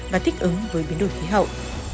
và thích ứng với biến đổi khí hậu